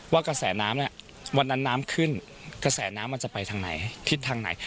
ว่ากระแสน้ำเนี่ยวันนั้นน้ำขึ้นกระแสน้ำมันจะไปทางไหนทิศทางไหน